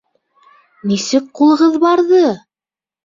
Нисек ҡулығыҙ барҙы!